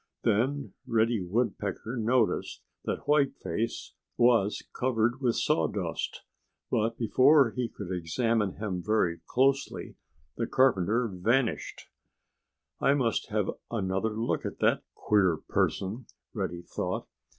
Then Reddy Woodpecker noticed that Whiteface was covered with sawdust. But before he could examine him very closely the carpenter vanished. "I must have another look at that queer person," Reddy thought.